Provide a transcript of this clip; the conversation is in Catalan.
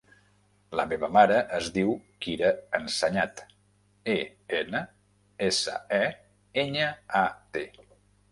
La meva mare es diu Kira Enseñat: e, ena, essa, e, enya, a, te.